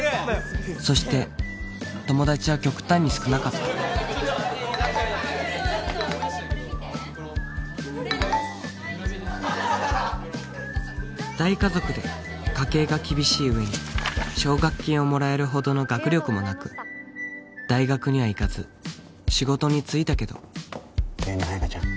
そして友達は極端に少なかった大家族で家計が厳しい上に奨学金をもらえるほどの学力もなく大学には行かず仕事に就いたけどねえねえ綾華ちゃん